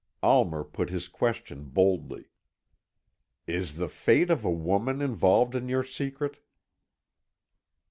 Almer put his question boldly. "Is the fate of a woman involved in your secret?"